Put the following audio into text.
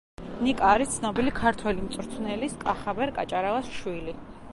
ნიკა არის ცნობილი ქართველი მწვრთნელის, კახაბერ კაჭარავას შვილი.